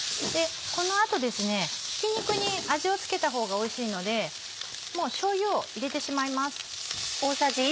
この後ひき肉に味を付けたほうがおいしいのでもうしょうゆを入れてしまいます。